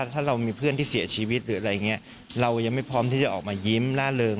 พร้อมที่จะออกมายิ้มล่าเริง